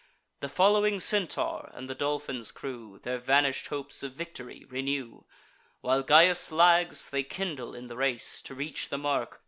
The following Centaur, and the Dolphin's crew, Their vanish'd hopes of victory renew; While Gyas lags, they kindle in the race, To reach the mark.